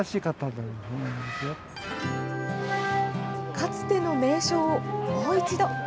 かつての名所を、もう一度。